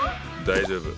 大丈夫！